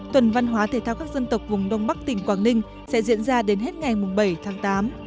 tuần văn hóa thể thao các dân tộc vùng đông bắc tỉnh quảng ninh sẽ diễn ra đến hết ngày bảy tháng tám